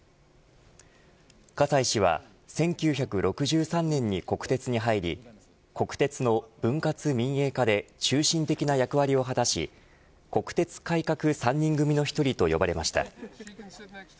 葛西氏は１９６３年に国鉄に入り国鉄の分割民営化で中心的な役割を果たし国鉄改革３人組の１人と呼ばれました。